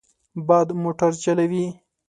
باد موټر چلوي.